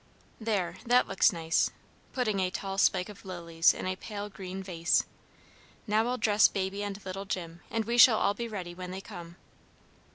There, that looks nice!" putting a tall spike of lilies in a pale green vase. "Now I'll dress baby and little Jim, and we shall all be ready when they come."